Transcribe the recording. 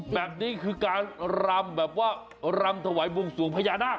แบบนี้คือการรำแบบว่ารำถวายบวงสวงพญานาค